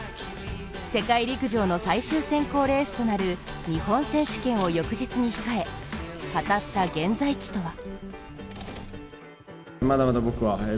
世界陸上の最終選考レースとなる日本選手権を翌日に控え、語った現在地とは。